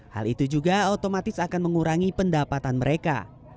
hal itu juga otomatis akan mengurangi pendapatan mereka